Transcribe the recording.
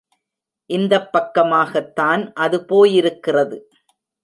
இந்தப் பக்கமாகத்தான் அது போயிருக்கிறது.